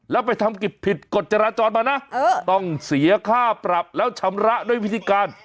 แล้วไปทำกิจผิดกฎจราจรมานะต้องเสียค่าปรับแล้วชำระด้วยวิธีการ